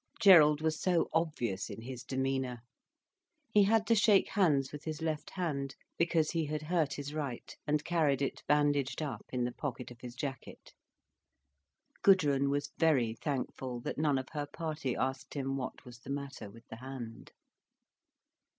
Gerald was so obvious in his demeanour. He had to shake hands with his left hand, because he had hurt his right, and carried it, bandaged up, in the pocket of his jacket. Gudrun was very thankful that none of her party asked him what was the matter with the hand.